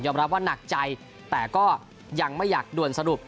รับว่าหนักใจแต่ก็ยังไม่อยากด่วนสรุป